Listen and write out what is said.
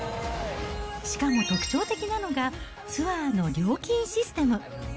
しかも特徴的なのが、ツアーの料金システム。